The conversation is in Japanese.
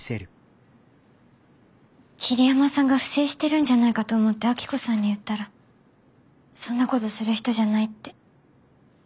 桐山さんが不正してるんじゃないかと思って明子さんに言ったら「そんなことする人じゃない」って。